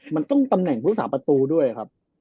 มันต้องตำแหน่งผู้รักษาประตูด้วยครับ